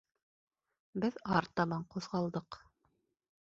Беҙ артабан ҡуҙғалдыҡ.